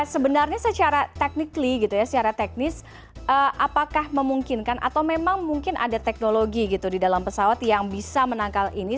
sebenarnya secara teknis apakah memungkinkan atau memang mungkin ada teknologi di dalam pesawat yang bisa menangkal ini